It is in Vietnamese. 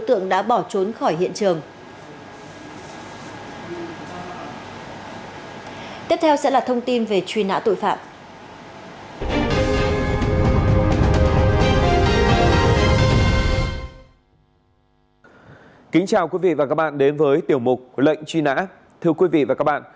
tiếp theo là thông tin về truy nã tội phạm